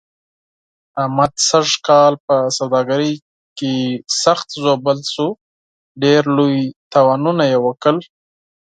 احمد سږ کال په سوداګرۍ کې سخت ژوبل شو، ډېر لوی زیانونه یې وکړل.